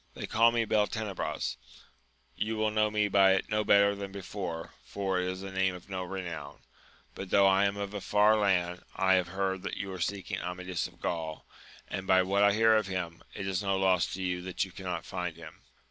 — ^They call me Beltenebros : you will know me by it no better than before, for it is a name of no renown ; but, though I am of a far land, I have heard that you are seeking Amadis of Gaul, and, by what I hear of him, it is no loss to you that you can not find him.